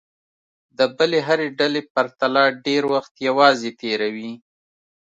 د بلې هرې ډلې پرتله ډېر وخت یوازې تېروي.